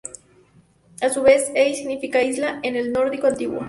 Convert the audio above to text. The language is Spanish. A su vez "ey" significa 'isla' en el nórdico antiguo.